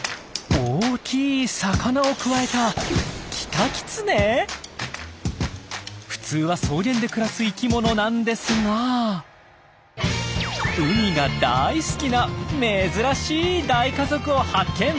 大きい魚をくわえた普通は草原で暮らす生きものなんですが海が大好きな珍しい大家族を発見。